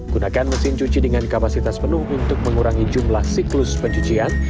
gunakan mesin cuci dengan kapasitas penuh untuk mengurangi jumlah siklus pencucian